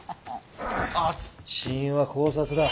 死因は絞殺だ。